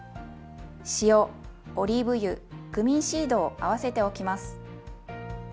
塩オリーブ油クミンシードを合わせておきます。